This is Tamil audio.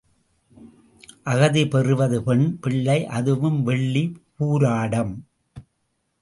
அகதி பெறுவது பெண் பிள்ளை அதுவும் வெள்ளி பூாாடம்.